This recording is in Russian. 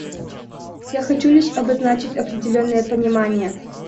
Я хочу лишь обозначить определенное понимание.